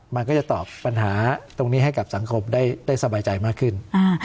มันก็จะตอบปัญหาตรงนี้ให้กับสังคมได้สบายใจมากขึ้น